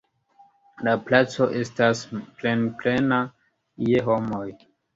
La placo estas plenplena je homoj.